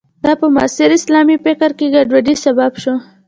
دا په معاصر اسلامي فکر کې ګډوډۍ سبب شو.